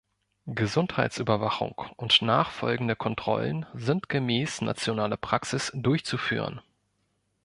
Gesundheitsüberwachung und nachfolgende Kontrollen sind gemäß nationaler Praxis durchzuführen.